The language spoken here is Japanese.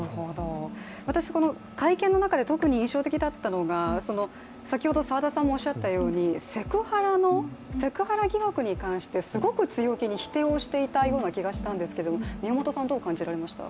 私、この会見の中で特に印象的だったのが先ほど澤田さんもおっしゃったように、セクハラ疑惑に関してすごく強気に否定をしていたような気がしたんですけれども宮本さんはどうお感じになりましたか？